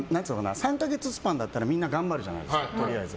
３か月スパンだったらみんな頑張るじゃないですかとりあえず。